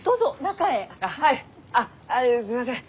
あっすいません。